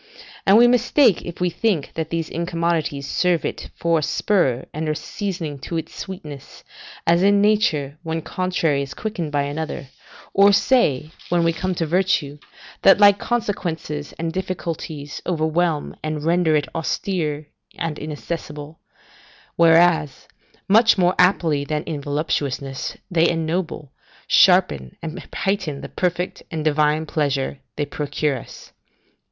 And we mistake if we think that these incommodities serve it for a spur and a seasoning to its sweetness (as in nature one contrary is quickened by another), or say, when we come to virtue, that like consequences and difficulties overwhelm and render it austere and inaccessible; whereas, much more aptly than in voluptuousness, they ennoble, sharpen, and heighten the perfect and divine pleasure they procure us.